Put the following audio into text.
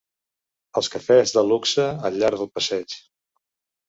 Els cafès de luxe al llarg del passeig